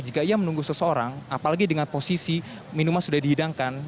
jika ia menunggu seseorang apalagi dengan posisi minuman sudah dihidangkan